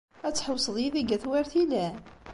Ad tḥewwseḍ yid-i deg at Wertilen?